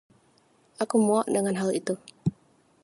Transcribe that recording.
Aku muak dengan hal itu!